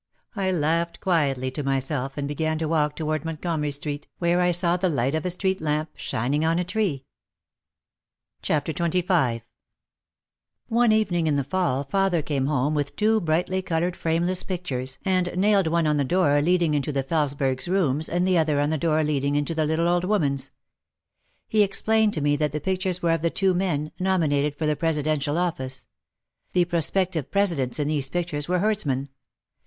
I laughed quietly to myself and began to walk toward Montgomery Street, where I saw the light of a street lamp shining on a tree. ioo OUT OF THE SHADOW XXV One evening in the Fall father came home with two brightly coloured frameless pictures and nailed one on the door leading into the Felesberg's rooms and the other on the door leading into the little old woman's. He explained to me that the pictures were of the two men, nominated for the presidential office. The prospective presidents in these pictures were herdsmen.